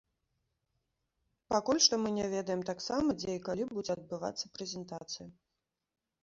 Пакуль што мы не ведаем таксама, дзе і калі будзе адбывацца прэзентацыя.